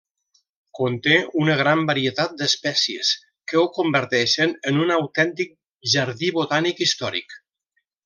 Conté una gran varietat d'espècies que ho converteixen en un autèntic jardí botànic històric.